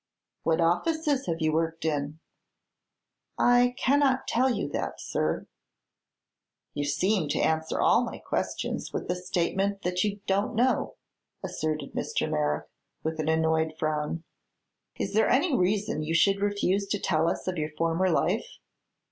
"What offices have you worked in?" "I cannot tell you that, sir." "You seem to answer all my questions with the statement that you 'don't know,'" asserted Mr. Merrick, with an annoyed frown. "Is there any reason you should refuse to tell us of your former life?"